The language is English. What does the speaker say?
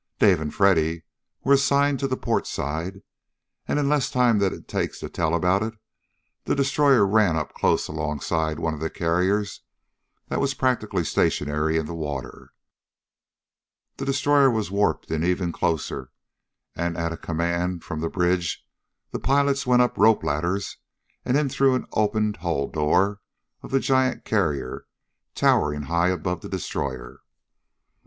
Dave and Freddy were assigned to the port side, and in less time than it takes to tell about it, the destroyer ran up close alongside one of the carriers that was practically stationary in the water. The destroyer was warped in even closer, and at a command from the bridge the pilots went up rope ladders and in through an opened hull door of the giant carrier towering high above the destroyer.